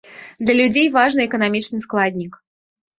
Для людзей важны эканамічны складнік.